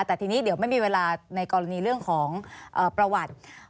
แต่ทีนี้เดี๋ยวไม่มีเวลาในกรณีเรื่องของประวัติ